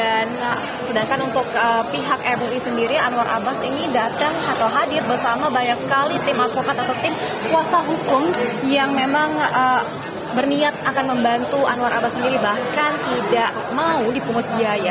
dan sedangkan untuk pihak mui sendiri anwar abbas ini datang atau hadir bersama banyak sekali tim avokat atau tim kuasa hukum yang memang berniat akan membantu anwar abbas sendiri bahkan tidak mau dipungut biaya